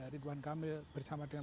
ridwan kamil bersama dengan